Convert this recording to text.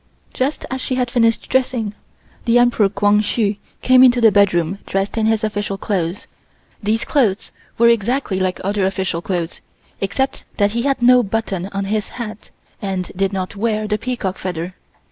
Just as she had finished dressing, the Emperor Kwang Hsu came into the bedroom dressed in his official clothes. These clothes were exactly like other official clothes, except that he had no button on his hat and did not wear the peacock feather.